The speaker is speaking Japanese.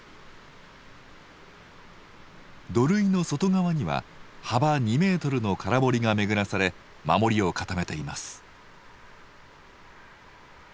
土塁の外側には幅２メートルの空堀が巡らされ守りを固めています。